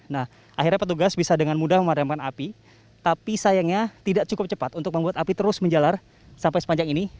nah akhirnya petugas bisa dengan mudah memadamkan api tapi sayangnya tidak cukup cepat untuk membuat api terus menjalar sampai sepanjang ini